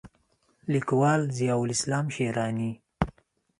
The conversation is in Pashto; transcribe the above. لیکوال: ضیاءالاسلام شېراني